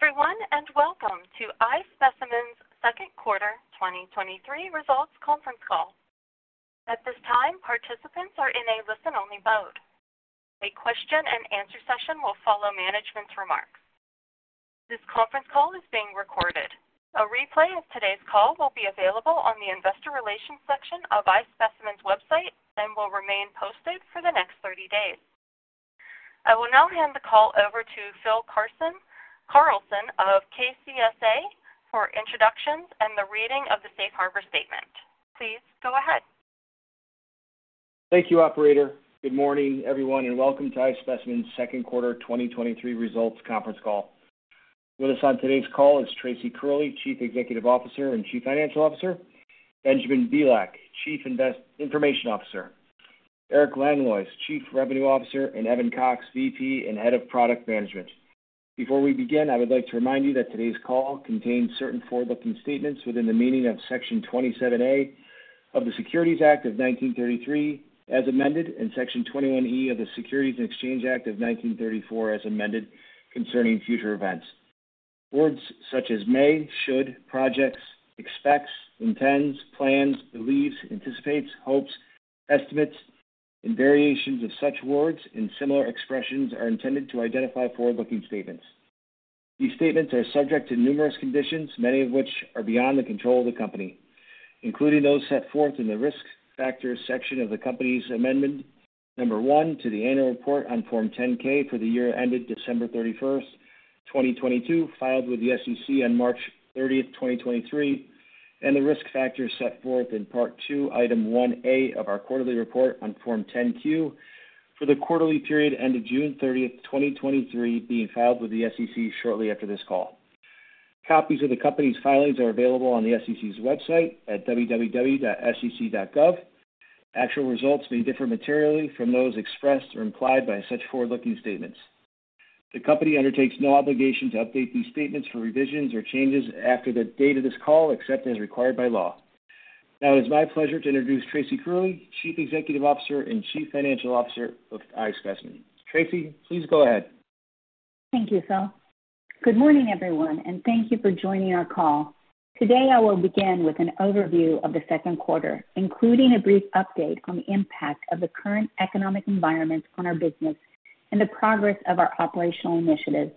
Good day, everyone, and welcome to iSpecimen's Second Quarter 2023 Results Conference Call. At this time, participants are in a listen-only mode. A question and answer session will follow management's remarks. This conference call is being recorded. A replay of today's call will be available on the investor relations section of iSpecimen's website and will remain posted for the next 30 days. I will now hand the call over to Phil Carlson of KCSA for introductions and the reading of the safe harbor statement. Please go ahead. Thank you, operator. Good morning, everyone, and welcome to iSpecimen's Second Quarter 2023 Results Conference all. With us on today's call is Tracy Curley, Chief Executive Officer and Chief Financial Officer, Benjamin Bielak, Chief Information Officer, Eric Langlois, Chief Revenue Officer, and Evan Cox, VP and Head of Product Management. Before we begin, I would like to remind you that today's call contains certain forward-looking statements within the meaning of Section 27A of the Securities Act of 1933, as amended, and Section 21E of the Securities Exchange Act of 1934, as amended, concerning future events. Words such as may, should, projects, expects, intends, plans, believes, anticipates, hopes, estimates, and variations of such words and similar expressions are intended to identify forward-looking statements. These statements are subject to numerous conditions, many of which are beyond the control of the company, including those set forth in the Risk Factors section of the company's Amendment Number 1 to the annual report on Form 10-K for the year ended December 31st, 2022, filed with the SEC on March 30th, 2023, and the risk factors set forth in Part 2, Item 1A of our quarterly report on Form 10-Q for the quarterly period ended June 30th, 2023, being filed with the SEC shortly after this call. Copies of the company's filings are available on the SEC's website at www.sec.gov. Actual results may differ materially from those expressed or implied by such forward-looking statements. The company undertakes no obligation to update these statements for revisions or changes after the date of this call, except as required by law. Now it's my pleasure to introduce Tracy Curley, Chief Executive Officer and Chief Financial Officer of iSpecimen. Tracy, please go ahead. Thank you, Phil. Good morning, everyone, and thank you for joining our call. Today, I will begin with an overview of the second quarter, including a brief update on the impact of the current economic environment on our business and the progress of our operational initiatives.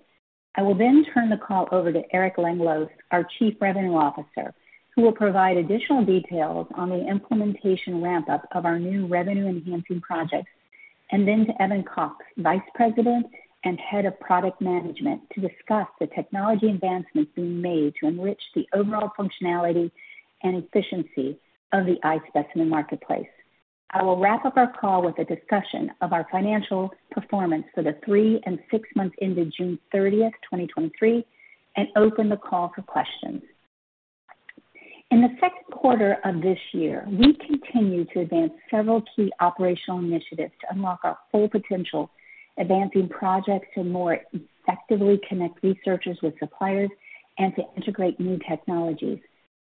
I will then turn the call over to Eric Langlois, our Chief Revenue Officer, who will provide additional details on the implementation ramp-up of our new revenue-enhancing projects, and then to Evan Cox, Vice President and Head of Product Management, to discuss the technology advancements being made to enrich the overall functionality and efficiency of the iSpecimen Marketplace. I will wrap up our call with a discussion of our financial performance for the three and six months ended June thirtieth, twenty twenty-three, and open the call for questions. In the second quarter of this year, we continued to advance several key operational initiatives to unlock our full potential, advancing projects to more effectively connect researchers with suppliers and to integrate new technologies.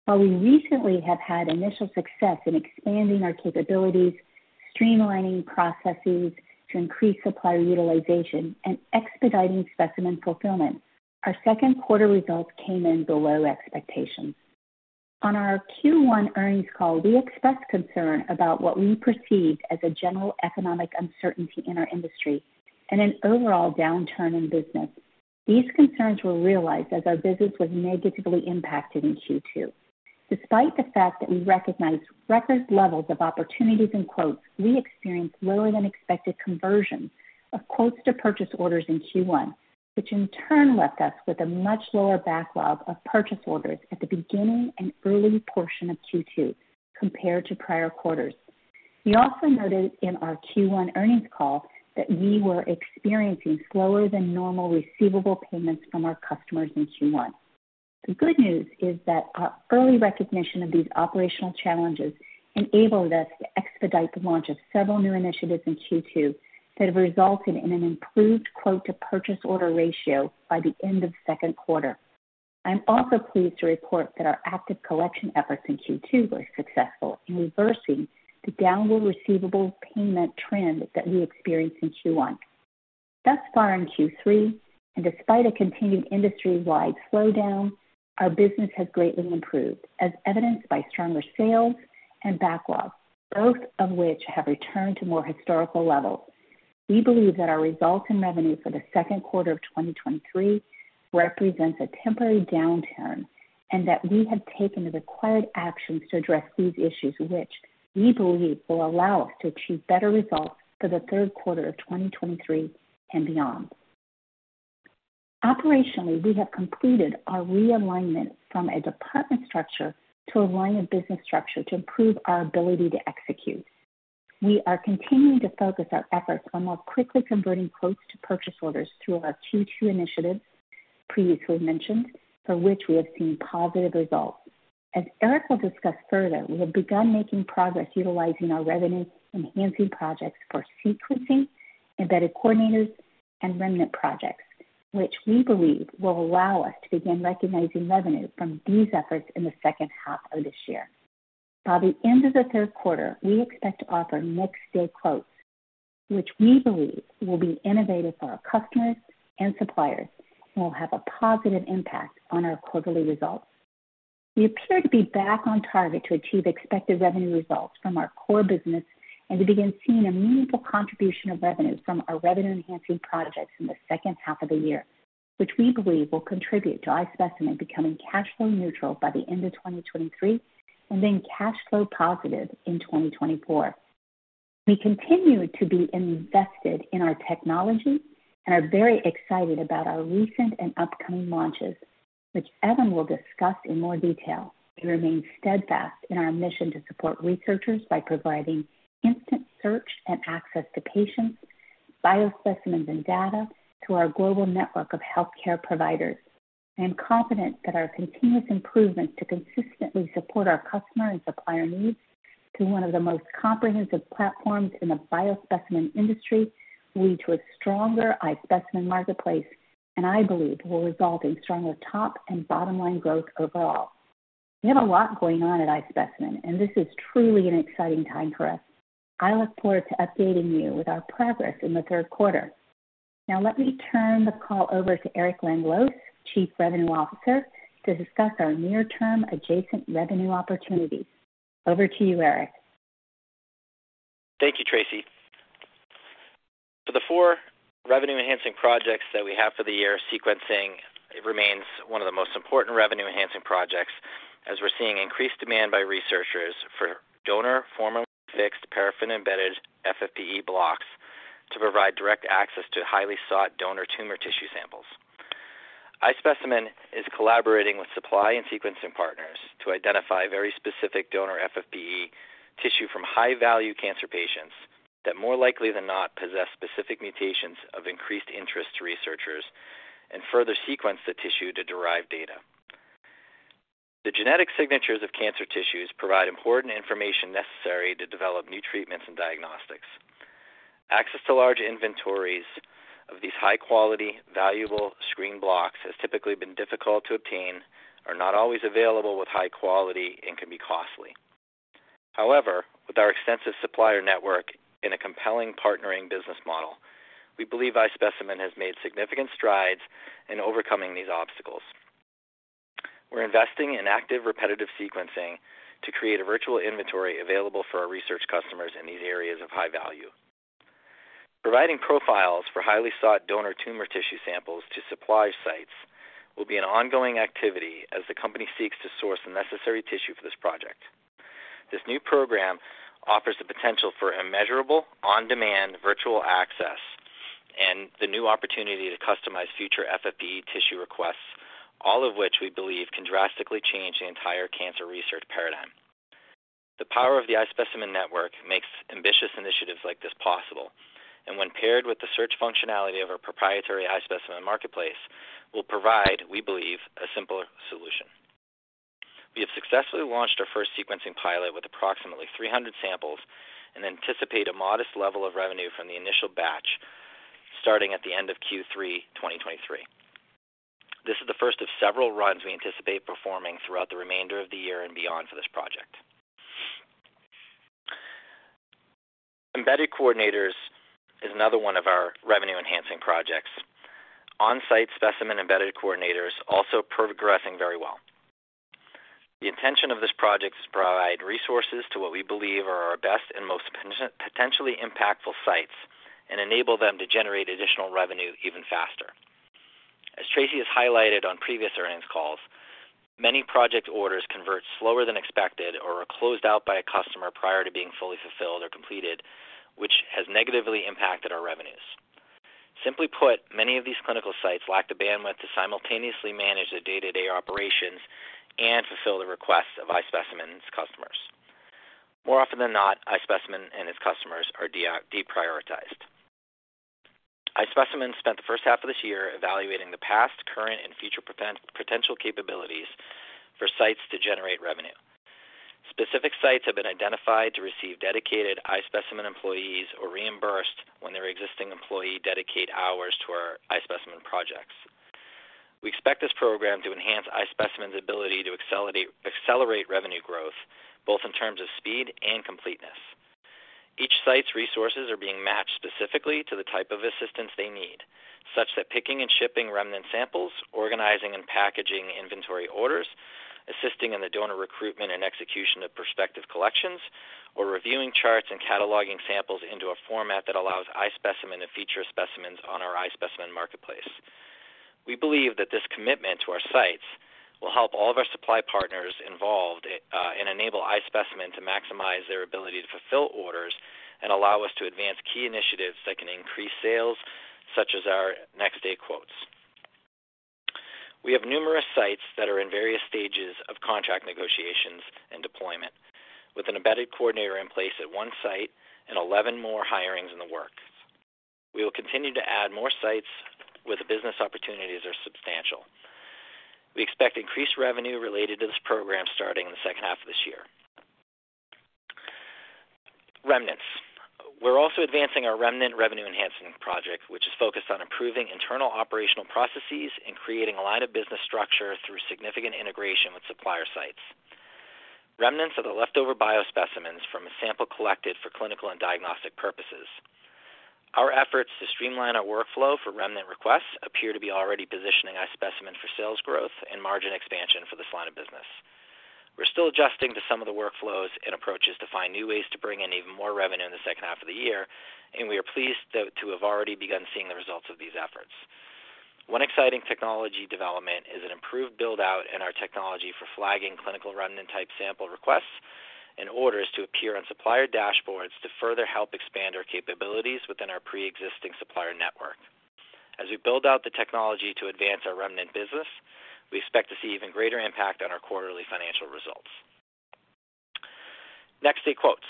While we recently have had initial success in expanding our capabilities, streamlining processes to increase supplier utilization, and expediting specimen fulfillment, our second quarter results came in below expectations. On our Q1 earnings call, we expressed concern about what we perceived as a general economic uncertainty in our industry and an overall downturn in business. These concerns were realized as our business was negatively impacted in Q2. Despite the fact that we recognized record levels of opportunities and quotes, we experienced lower-than-expected conversions of quotes to purchase orders in Q1, which in turn left us with a much lower backlog of purchase orders at the beginning and early portion of Q2 compared to prior quarters. We also noted in our Q1 earnings call that we were experiencing slower-than-normal receivable payments from our customers in Q1. The good news is that our early recognition of these operational challenges enabled us to expedite the launch of several new initiatives in Q2 that have resulted in an improved quote-to-purchase order ratio by the end of the second quarter. I'm also pleased to report that our active collection efforts in Q2 were successful in reversing the downward receivable payment trend that we experienced in Q1. Thus far in Q3, and despite a continuing industry-wide slowdown, our business has greatly improved, as evidenced by stronger sales and backlogs, both of which have returned to more historical levels. We believe that our results in revenue for the second quarter of 2023 represents a temporary downturn and that we have taken the required actions to address these issues, which we believe will allow us to achieve better results for the third quarter of 2023 and beyond. Operationally, we have completed our realignment from a department structure to a line of business structure to improve our ability to execute. We are continuing to focus our efforts on more quickly converting quotes to purchase orders through our Q2 initiative previously mentioned, for which we have seen positive results. As Eric will discuss further, we have begun making progress utilizing our revenue-enhancing projects for sequencing, embedded coordinators, and remnant projects, which we believe will allow us to begin recognizing revenue from these efforts in the second half of this year. By the end of the third quarter, we expect to offer next-day quotes, which we believe will be innovative for our customers and suppliers and will have a positive impact on our quarterly results. We appear to be back on target to achieve expected revenue results from our core business and to begin seeing a meaningful contribution of revenues from our revenue-enhancing projects in the second half of the year, which we believe will contribute to iSpecimen becoming cash flow neutral by the end of 2023, and then cash flow positive in 2024. We continue to be invested in our technology and are very excited about our recent and upcoming launches, which Evan will discuss in more detail. We remain steadfast in our mission to support researchers by providing instant search and access to patients, biospecimens, and data through our global network of healthcare providers. Confident that our continuous improvement to consistently support our customer and supplier needs through one of the most comprehensive platforms in the biospecimen industry, will lead to a stronger iSpecimen Marketplace, and I believe will result in stronger top and bottom-line growth overall. We have a lot going on at iSpecimen, and this is truly an exciting time for us. I look forward to updating you with our progress in the third quarter. Now, let me turn the call over to Eric Langlois, Chief Revenue Officer, to discuss our near-term adjacent revenue opportunities. Over to you, Eric. Thank you, Tracy. For the four revenue-enhancing projects that we have for the year, sequencing remains one of the most important revenue-enhancing projects, as we're seeing increased demand by researchers for donor formalin-fixed paraffin-embedded FFPE blocks to provide direct access to highly sought donor tumor tissue samples. iSpecimen is collaborating with supply and sequencing partners to identify very specific donor FFPE tissue from high-value cancer patients that more likely than not possess specific mutations of increased interest to researchers and further sequence the tissue to derive data. The genetic signatures of cancer tissues provide important information necessary to develop new treatments and diagnostics. Access to large inventories of these high-quality, valuable screen blocks has typically been difficult to obtain, are not always available with high quality, and can be costly. However, with our extensive supplier network and a compelling partnering business model, we believe iSpecimen has made significant strides in overcoming these obstacles. We're investing in active, repetitive sequencing to create a virtual inventory available for our research customers in these areas of high value. Providing profiles for highly sought donor tumor tissue samples to supply sites will be an ongoing activity as the company seeks to source the necessary tissue for this project. This new program offers the potential for immeasurable, on-demand, virtual access and the new opportunity to customize future FFPE tissue requests, all of which we believe can drastically change the entire cancer research paradigm. The power of the iSpecimen network makes ambitious initiatives like this possible, and when paired with the search functionality of our proprietary iSpecimen Marketplace, will provide, we believe, a simpler solution. We have successfully launched our first sequencing pilot with approximately 300 samples and anticipate a modest level of revenue from the initial batch, starting at the end of Q3, 2023. This is the first of several runs we anticipate performing throughout the remainder of the year and beyond for this project. Embedded coordinators is another one of our revenue-enhancing projects. On-site specimen embedded coordinators also progressing very well. The intention of this project is to provide resources to what we believe are our best and most potentially impactful sites and enable them to generate additional revenue even faster. As Tracy has highlighted on previous earnings calls, many project orders convert slower than expected or are closed out by a customer prior to being fully fulfilled or completed, which has negatively impacted our revenues. Simply put, many of these clinical sites lack the bandwidth to simultaneously manage their day-to-day operations and fulfill the requests of iSpecimen's customers. More often than not, iSpecimen and its customers are deprioritized. iSpecimen spent the first half of this year evaluating the past, current, and future potential capabilities for sites to generate revenue. Specific sites have been identified to receive dedicated iSpecimen employees or reimbursed when their existing employee dedicate hours to our iSpecimen projects. We expect this program to enhance iSpecimen's ability to accelerate revenue growth, both in terms of speed and completeness. Each site's resources are being matched specifically to the type of assistance they need, such that picking and shipping remnant samples, organizing and packaging inventory orders, assisting in the donor recruitment and execution of prospective collections, or reviewing charts and cataloging samples into a format that allows iSpecimen to feature specimens on our iSpecimen Marketplace. We believe that this commitment to our sites will help all of our supply partners involved and enable iSpecimen to maximize their ability to fulfill orders and allow us to advance key initiatives that can increase sales, such as our next-day quotes. We have numerous sites that are in various stages of contract negotiations and deployment, with an embedded coordinator in place at one site and 11 more hirings in the works. We will continue to add more sites where the business opportunities are substantial. We expect increased revenue related to this program starting in the second half of this year. Remnants. We're also advancing our remnant revenue enhancement project, which is focused on improving internal operational processes and creating a line of business structure through significant integration with supplier sites. Remnants are the leftover biospecimens from a sample collected for clinical and diagnostic purposes. Our efforts to streamline our workflow for remnant requests appear to be already positioning our specimen for sales growth and margin expansion for this line of business. We're still adjusting to some of the workflows and approaches to find new ways to bring in even more revenue in the second half of the year, and we are pleased to have already begun seeing the results of these efforts. One exciting technology development is an improved build-out in our technology for flagging clinical remnant type sample requests and orders to appear on supplier dashboards to further help expand our capabilities within our pre-existing supplier network. As we build out the technology to advance our remnant business, we expect to see even greater impact on our quarterly financial results. Next-day quotes.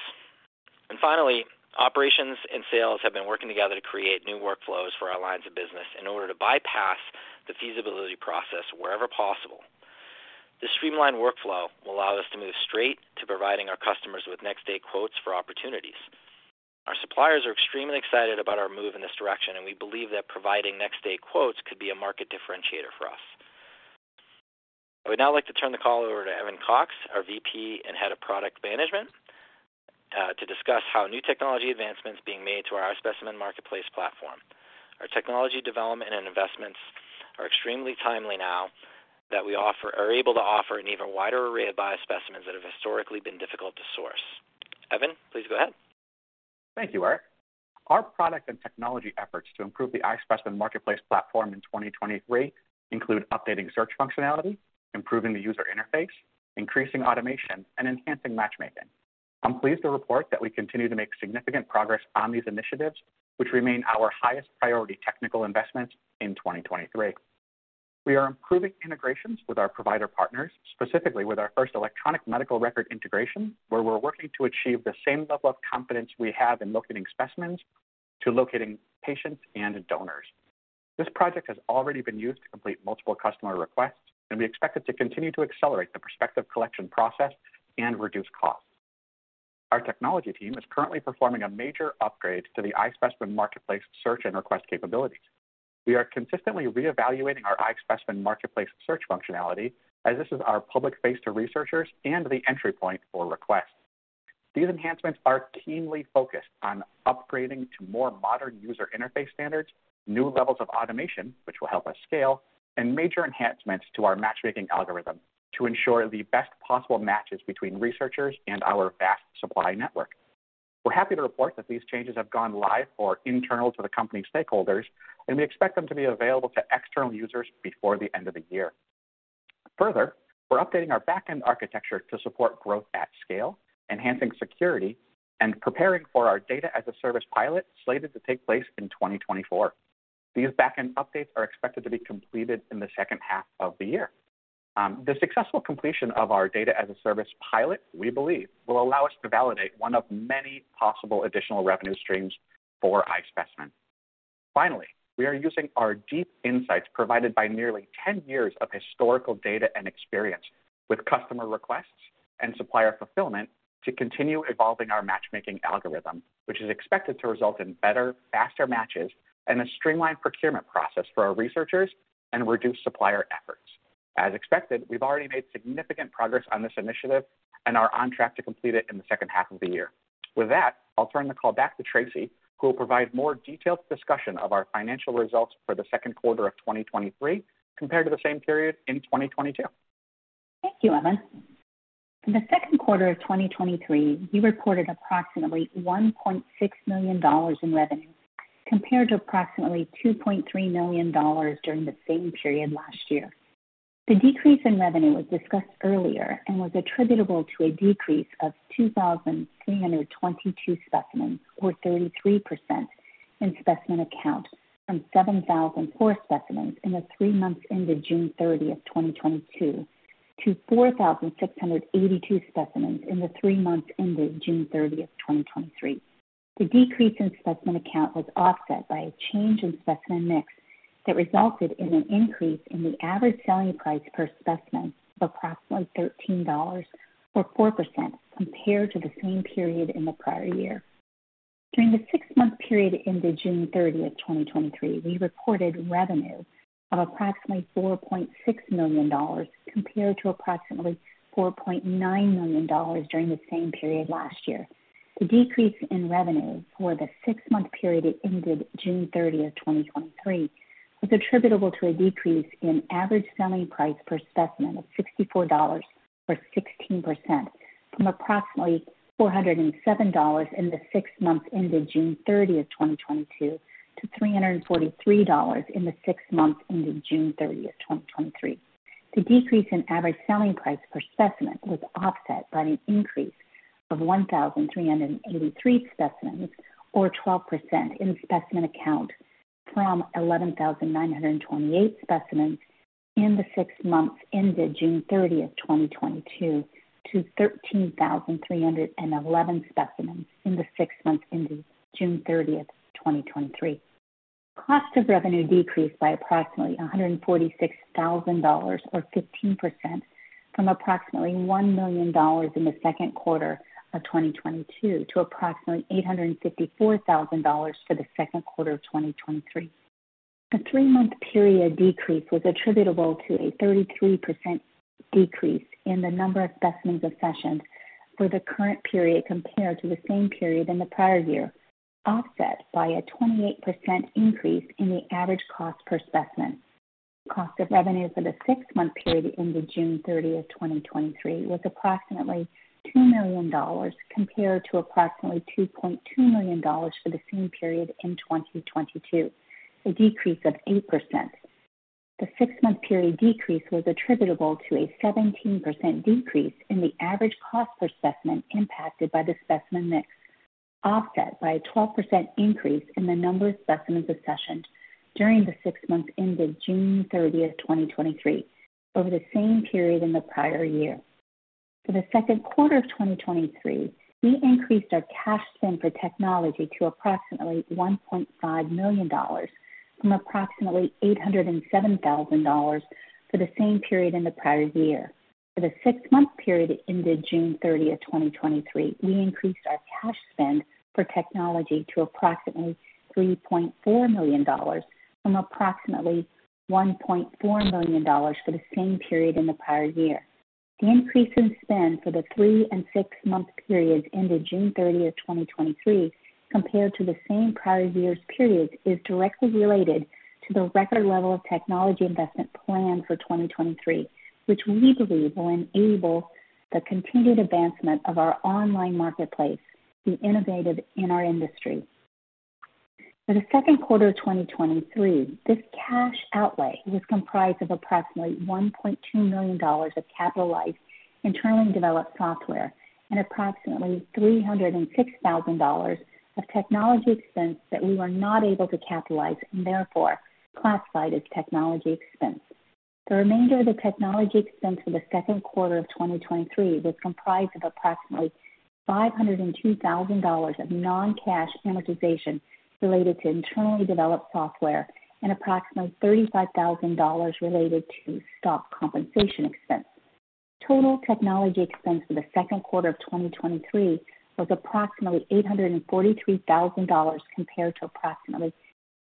Finally, operations and sales have been working together to create new workflows for our lines of business in order to bypass the feasibility process wherever possible. This streamlined workflow will allow us to move straight to providing our customers with next-day quotes for opportunities. Our suppliers are extremely excited about our move in this direction, and we believe that providing next-day quotes could be a market differentiator for us. I would now like to turn the call over to Evan Cox, our VP and Head of Product Management, to discuss how new technology advancements being made to our iSpecimen Marketplace platform. Our technology development and investments are extremely timely now that we are able to offer an even wider array of biospecimens that have historically been difficult to source. Evan, please go ahead. Thank you, Eric. Our product and technology efforts to improve the iSpecimen Marketplace platform in 2023 include updating search functionality, improving the user interface, increasing automation, and enhancing matchmaking. I'm pleased to report that we continue to make significant progress on these initiatives, which remain our highest priority technical investments in 2023. We are improving integrations with our provider partners, specifically with our first electronic medical record integration, where we're working to achieve the same level of confidence we have in locating specimens to locating patients and donors. This project has already been used to complete multiple customer requests, and we expect it to continue to accelerate the prospective collection process and reduce costs. Our technology team is currently performing a major upgrade to the iSpecimen Marketplace search and request capabilities. We are consistently reevaluating our iSpecimen Marketplace search functionality, as this is our public face to researchers and the entry point for requests. These enhancements are keenly focused on upgrading to more modern user interface standards, new levels of automation, which will help us scale, and major enhancements to our matchmaking algorithm to ensure the best possible matches between researchers and our vast supply network. We're happy to report that these changes have gone live for internal to the company stakeholders, and we expect them to be available to external users before the end of the year. We're updating our back-end architecture to support growth at scale, enhancing security, and preparing for our Data as a Service pilot, slated to take place in 2024. These back-end updates are expected to be completed in the second half of the year. The successful completion of our Data as a Service pilot, we believe, will allow us to validate one of many possible additional revenue streams for iSpecimen. Finally, we are using our deep insights provided by nearly 10 years of historical data and experience with customer requests and supplier fulfillment to continue evolving our matchmaking algorithm, which is expected to result in better, faster matches and a streamlined procurement process for our researchers and reduced supplier efforts. As expected, we've already made significant progress on this initiative and are on track to complete it in the second half of the year. With that, I'll turn the call back to Tracy, who will provide more detailed discussion of our financial results for the second quarter of 2023 compared to the same period in 2022. Thank you, Evan. In the second quarter of 2023, we reported approximately $1.6 million in revenue, compared to approximately $2.3 million during the same period last year. The decrease in revenue was discussed earlier and was attributable to a decrease of 2,322 specimens, or 33%, in specimen account from 7,004 specimens in the three months ended June 30th, 2022, to 4,682 specimens in the three months ended June 30th, 2023. The decrease in specimen count was offset by a change in specimen mix that resulted in an increase in the average selling price per specimen of approximately $13, or 4%, compared to the same period in the prior year. During the six-month period ended June 30th, 2023, we reported revenue of approximately $4.6 million, compared to approximately $4.9 million during the same period last year. The decrease in revenue for the six-month period that ended June 30th, 2023, was attributable to a decrease in average selling price per specimen of $64, or 16%, from approximately $407 in the 6 months ended June 30th, 2022, to $343 in the six months ended June 30th, 2023. The decrease in average selling price per specimen was offset by an increase of 1,383 specimens, or 12%, in specimen count from 11,928 specimens in the six months ended June 30, 2022, to 13,311 specimens in the six months ended June 30, 2023. Cost of revenue decreased by approximately $146,000, or 15%, from approximately $1 million in the second quarter of 2022 to approximately $854,000 for the second quarter of 2023. The three-month period decrease was attributable to a 33% decrease in the number of specimens accessioned for the current period compared to the same period in the prior year, offset by a 28% increase in the average cost per specimen. Cost of revenue for the six-month period ended June 30th, 2023, was approximately $2 million, compared to approximately $2.2 million for the same period in 2022, a decrease of 8%. The six-month period decrease was attributable to a 17% decrease in the average cost per specimen impacted by the specimen mix, offset by a 12% increase in the number of specimens accessioned during the six months ended June 30th, 2023, over the same period in the prior year. For the second quarter of 2023, we increased our cash spend for technology to approximately $1.5 million from approximately $807,000 for the same period in the prior year. For the 6-month period ended June 30th, 2023, we increased our cash spend for technology to approximately $3.4 million from approximately $1.4 million for the same period in the prior year. The increase in spend for the 3 and 6-month periods ended June 30th, 2023, compared to the same prior year's periods, is directly related to the record level of technology investment plan for 2023, which we believe will enable the continued advancement of our online marketplace, be innovative in our industry. For the second quarter of 2023, this cash outlay was comprised of approximately $1.2 million of capitalized internally developed software and approximately $306,000 of technology expense that we were not able to capitalize and therefore classified as technology expense. The remainder of the technology expense for the second quarter of 2023 was comprised of approximately $502,000 of non-cash amortization related to internally developed software and approximately $35,000 related to stock compensation expense. Total technology expense for the second quarter of 2023 was approximately $843,000, compared to approximately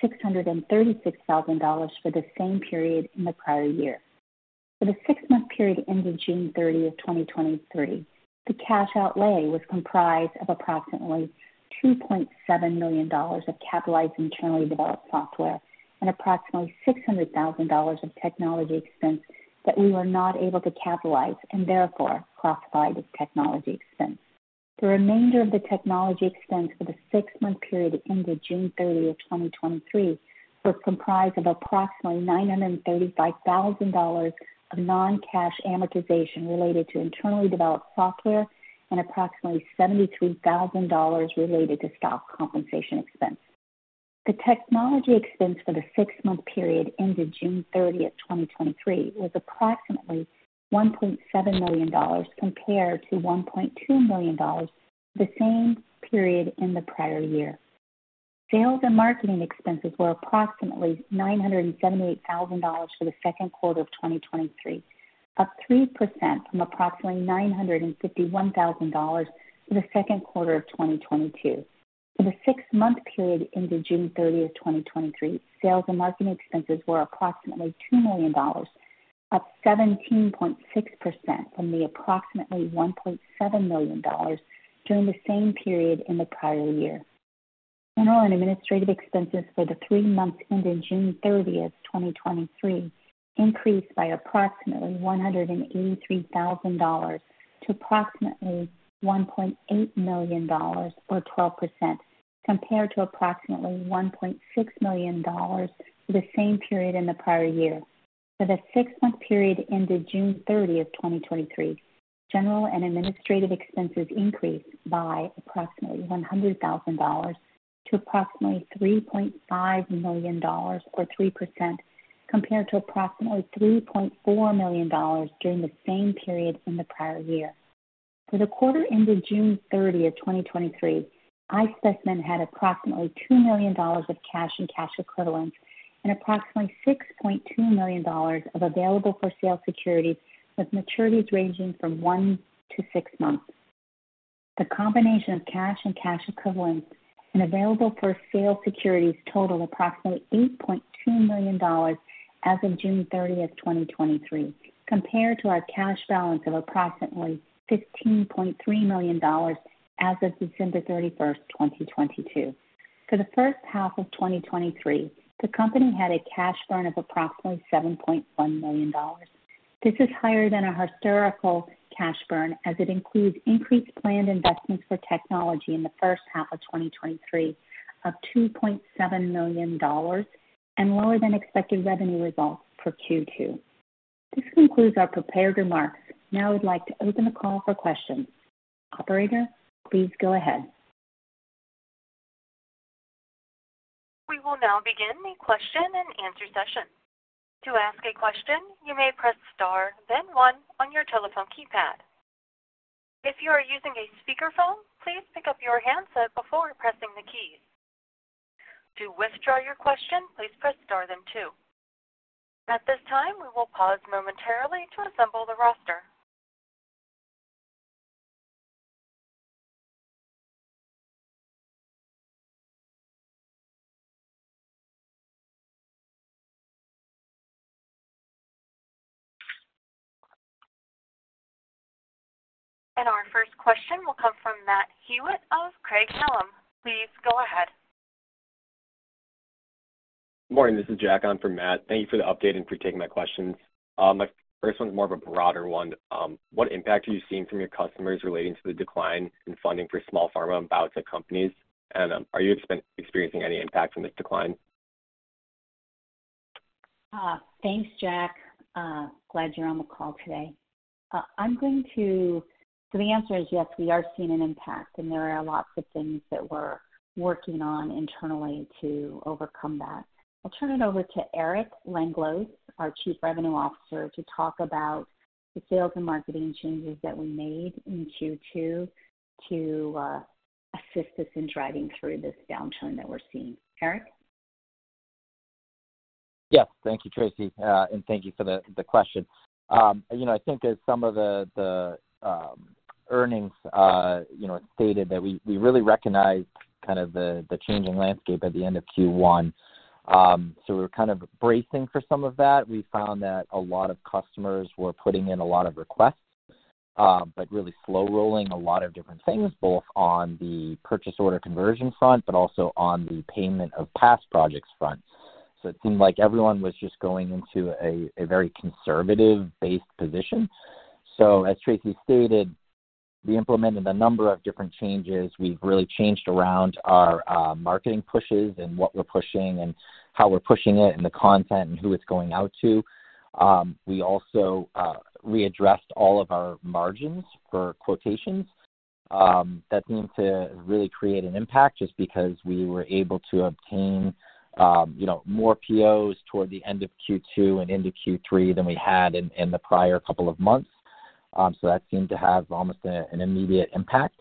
$636,000 for the same period in the prior year. For the six-month period ended June 30th, 2023, the cash outlay was comprised of approximately $2.7 million of capitalized internally developed software and approximately $600,000 of technology expense that we were not able to capitalize and therefore classified as technology expense. The remainder of the technology expense for the six-month period ended June 30th, 2023, was comprised of approximately $935,000 of non-cash amortization related to internally developed software and approximately $73,000 related to stock compensation expense. The technology expense for the six-month period ended June 30th, 2023, was approximately $1.7 million compared to $1.2 million the same period in the prior year. Sales and marketing expenses were approximately $978,000 for the second quarter of 2023, up 3% from approximately $951,000 for the second quarter of 2022. For the six-month period ended June 30th, 2023, sales and marketing expenses were approximately $2 million, up 17.6% from the approximately $1.7 million during the same period in the prior year. General and administrative expenses for the three months ended June 30th, 2023, increased by approximately $183,000 to approximately $1.8 million or 12%, compared to approximately $1.6 million for the same period in the prior year. For the six-month period ended June 30th, 2023, general and administrative expenses increased by approximately $100,000 to approximately $3.5 million, or 3%, compared to approximately $3.4 million during the same period in the prior year. For the quarter ended June 30th, 2023, iSpecimen had approximately $2 million of cash and cash equivalents and approximately $6.2 million of available-for-sale securities, with maturities ranging from 1-6 months. The combination of cash and cash equivalents and available-for-sale securities totaled approximately $8.2 million as of June 30th, 2023, compared to our cash balance of approximately $15.3 million as of December 31st, 2022. For the first half of 2023, the company had a cash burn of approximately $7.1 million. This is higher than our historical cash burn, as it includes increased planned investments for technology in the first half of 2023 of $2.7 million and lower than expected revenue results for Q2. This concludes our prepared remarks. Now I'd like to open the call for questions. Operator, please go ahead. We will now begin the question-and-answer session. To ask a question, you may press star, then one on your telephone keypad. If you are using a speakerphone, please pick up your handset before pressing the keys. To withdraw your question, please press star then two. At this time, we will pause momentarily to assemble the roster. Our first question will come from Matt Hewitt of Craig-Hallum. Please go ahead. Good morning, this is Jack on for Matt. Thank you for the update and for taking my questions. My first one is more of a broader one. What impact are you seeing from your customers relating to the decline in funding for small pharma and biotech companies? Are you experiencing any impact from this decline? Thanks, Jack. Glad you're on the call today. The answer is yes, we are seeing an impact, and there are lots of things that we're working on internally to overcome that. I'll turn it over to Eric Langlois, our Chief Revenue Officer, to talk about the sales and marketing changes that we made in Q2 to assist us in driving through this downturn that we're seeing. Eric? Yes. Thank you, Tracy, and thank you for the, the question. You know, I think that some of the, the earnings, you know, stated that we, we really recognized kind of the, the changing landscape at the end of Q1. We were kind of bracing for some of that. We found that a lot of customers were putting in a lot of requests, but really slow-rolling a lot of different things, both on the purchase order conversion front, but also on the payment of past projects front. It seemed like everyone was just going into a, a very conservative-based position. As Tracy stated, we implemented a number of different changes. We've really changed around our marketing pushes and what we're pushing and how we're pushing it, and the content and who it's going out to. We also readdressed all of our margins for quotations. That seemed to really create an impact, just because we were able to obtain, you know, more POs toward the end of Q2 and into Q3 than we had in, in the prior couple of months. That seemed to have almost an immediate impact.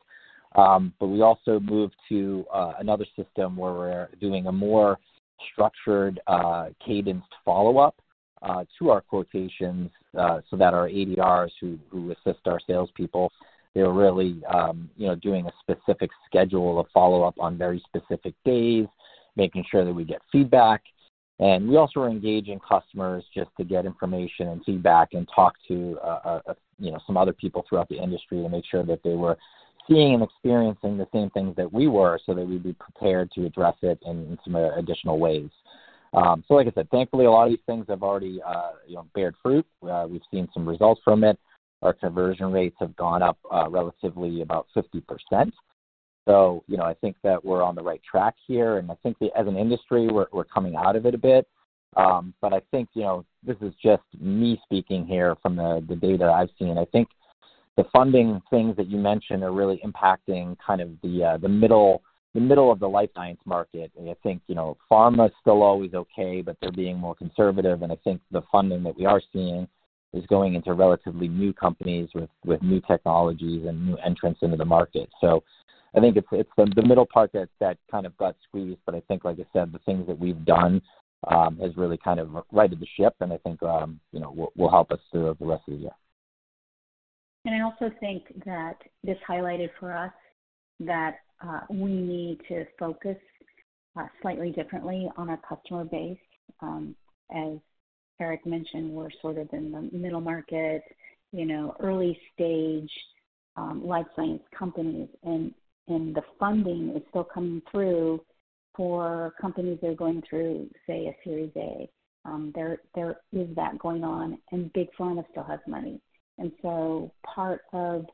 We also moved to another system where we're doing a more structured, cadenced follow-up to our quotations, so that our ADRs, who assist our salespeople, they're really, you know, doing a specific schedule of follow-up on very specific days, making sure that we get feedback. We also are engaging customers just to get information and feedback and talk to, you know, some other people throughout the industry to make sure that they were seeing and experiencing the same things that we were, so that we'd be prepared to address it in some additional ways. Like I said, thankfully, a lot of these things have already, you know, beared fruit. We've seen some results from it. Our conversion rates have gone up, relatively about 50%. You know, I think that we're on the right track here, and I think as an industry, we're, we're coming out of it a bit. I think, you know, this is just me speaking here from the, the data I've seen. I think the funding things that you mentioned are really impacting kind of the, the middle, the middle of the life science market. I think, you know, pharma is still always okay, but they're being more conservative, and I think the funding that we are seeing is going into relatively new companies with, with new technologies and new entrants into the market. I think it's, it's the middle part that, that kind of got squeezed, but I think, like I said, the things that we've done, has really kind of righted the ship, and I think, you know, will, will help us through the rest of the year. I also think that this highlighted for us that we need to focus slightly differently on our customer base. As Eric mentioned, we're sort of in the middle market, you know, early stage, life science companies, and, and the funding is still coming through for companies that are going through, say, a Series A. There, there is that going on, and big pharma still has money. Part of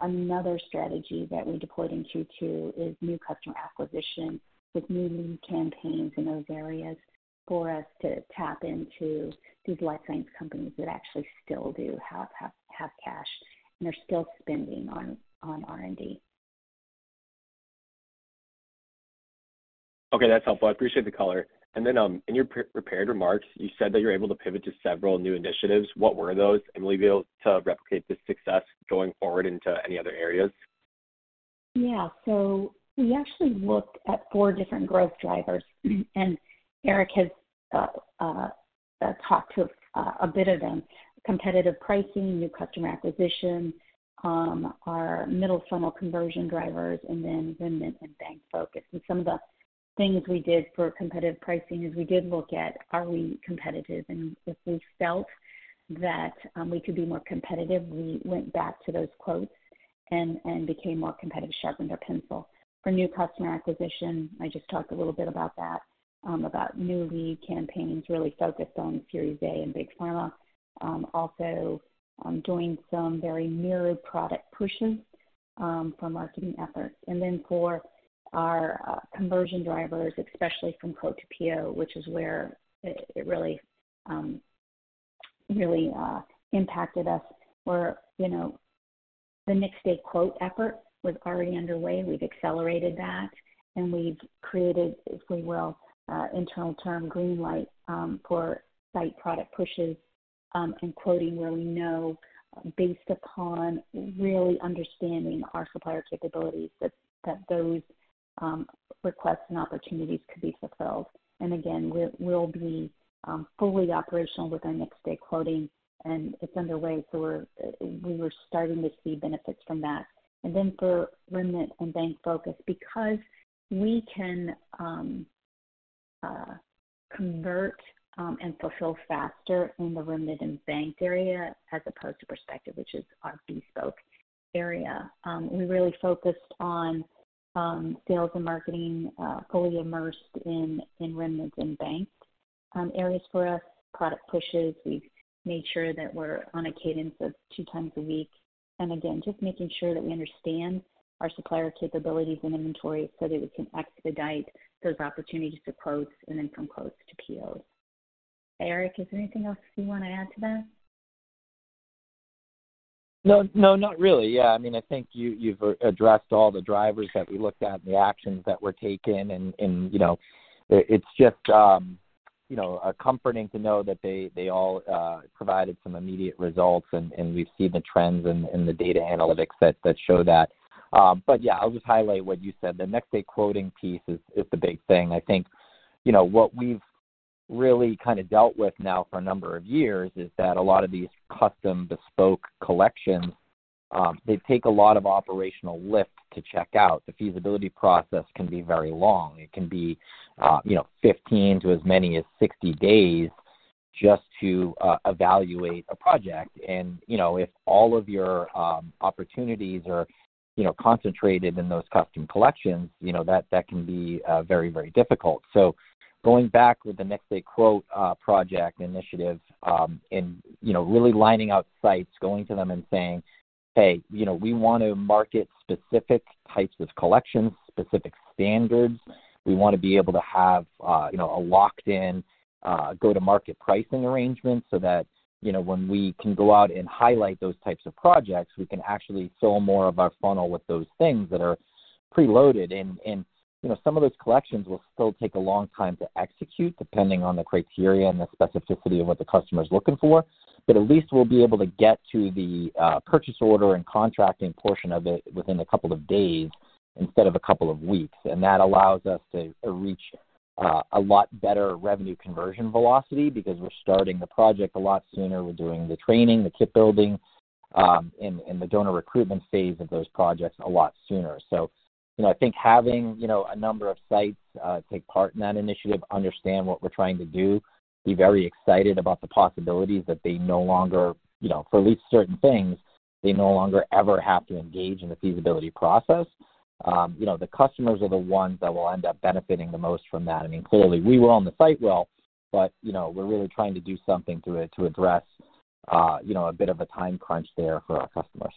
another strategy that we deployed in Q2 is new customer acquisition, with new lead campaigns in those areas for us to tap into these life science companies that actually still do have, have, have cash and are still spending on, on R&D. Okay, that's helpful. I appreciate the color. Then, in your pre-prepared remarks, you said that you're able to pivot to several new initiatives. What were those, and will you be able to replicate this success going forward into any other areas? Yeah. we actually looked at four different growth drivers, and Eric has talked to a bit of them. Competitive pricing, new customer acquisition, our middle funnel conversion drivers, and then remnant and bank focus. Some of the things we did for competitive pricing is we did look at are we competitive? If we felt that we could be more competitive, we went back to those quotes and became more competitive, sharpened our pencil. For new customer acquisition, I just talked a little bit about that, about new lead campaigns, really focused on Series A and big pharma. Also, doing some very narrowed product pushes for marketing efforts. Then for our conversion drivers, especially from quote to PO, which is where it really, really impacted us. Where, you know, the next-day quote effort was already underway. We've accelerated that, and we've created, if we will, internal term green light, for site product pushes, and quoting where we know, based upon really understanding our supplier capabilities, that, that those requests and opportunities could be fulfilled. Again, we're, we'll be fully operational with our next-day quoting, and it's underway, so we're, we were starting to see benefits from that. For remnant and bank focus, because we can convert and fulfill faster in the remnant and bank area as opposed to prospective, which is our bespoke area, we really focused on sales and marketing, fully immersed in, in remnants and banks. Areas for us, product pushes, we've made sure that we're on a cadence of two times a week. Again, just making sure that we understand our supplier capabilities and inventory so that we can expedite those opportunities to quotes and then from quotes to POs. Eric, is there anything else you want to add to that? No, no, not really. Yeah, I mean, I think you, you've addressed all the drivers that we looked at and the actions that were taken. You know, it, it's just, you know, comforting to know that they, they all provided some immediate results, and, and we've seen the trends in, in the data analytics that, that show that. Yeah, I'll just highlight what you said. The next day quoting piece is, is the big thing. I think, you know, what we've really kind of dealt with now for a number of years is that a lot of these custom bespoke collections, they take a lot of operational lift to check out. The feasibility process can be very long. It can be, you know, 15 to as many as 60 days just to evaluate a project. You know, if all of your opportunities are, you know, concentrated in those custom collections, you know, that, that can be very, very difficult. Going back with the next-day quote project initiative, and, you know, really lining up sites, going to them and saying, "Hey, you know, we want to market specific types of collections, specific standards. We want to be able to have, you know, a locked-in, go-to-market pricing arrangement so that, you know, when we can go out and highlight those types of projects, we can actually fill more of our funnel with those things that are preloaded. You know, some of those collections will still take a long time to execute, depending on the criteria and the specificity of what the customer is looking for, but at least we'll be able to get to the purchase order and contracting portion of it within a couple of days instead of a couple of weeks. That allows us to, to reach, a lot better revenue conversion velocity because we're starting the project a lot sooner. We're doing the training, the kit building, and, and the donor recruitment phase of those projects a lot sooner. I think having, you know, a number of sites take part in that initiative, understand what we're trying to do, be very excited about the possibilities that they no longer, you know, for at least certain things, they no longer ever have to engage in the feasibility process. you know, the customers are the ones that will end up benefiting the most from that. I mean, clearly, we were on the site well, you know, we're really trying to do something to it to address, you know, a bit of a time crunch there for our customers.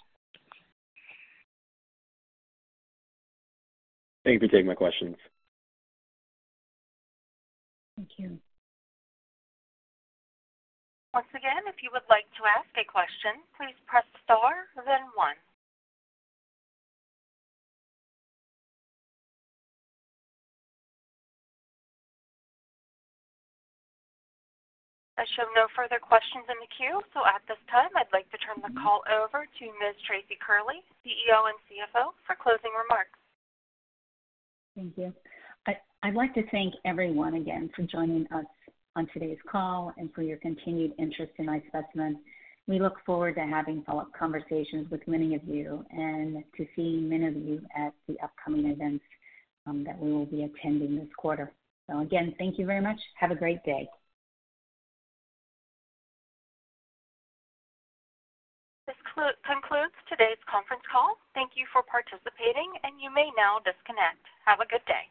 Thank you for taking my questions. Thank you. Once again, if you would like to ask a question, please press star, then one. I show no further questions in the queue, so at this time, I'd like to turn the call over to Ms. Tracy Curley, CEO and CFO, for closing remarks. Thank you. I'd like to thank everyone again for joining us on today's call and for your continued interest in iSpecimen. We look forward to having follow-up conversations with many of you and to seeing many of you at the upcoming events, that we will be attending this quarter. Again, thank you very much. Have a great day. This concludes today's conference call. Thank you for participating, and you may now disconnect. Have a good day.